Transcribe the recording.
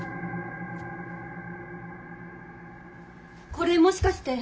これもしかして。